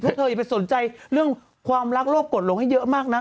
เธออย่าไปสนใจเรื่องความรักโลกกฎหลงให้เยอะมากนัก